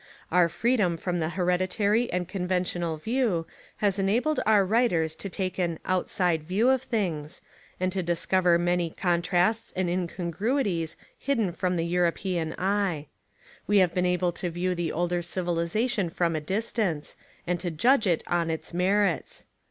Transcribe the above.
Our freedom from the hereditary and conventional view has enabled our writers to take an "out 115, Essays and Literary Studies side" view of things, and to discover many con trasts and incongruities hidden from the Euro pean eye. We have been able to view the older civilisation from a distance, and to judge it on its merits.